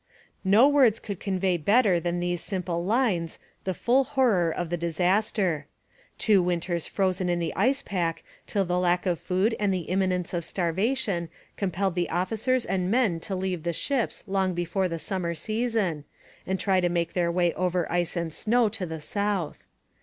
No words could convey better than these simple lines the full horror of the disaster: two winters frozen in the ice pack till the lack of food and the imminence of starvation compelled the officers and men to leave the ships long before the summer season and try to make their way over ice and snow to the south!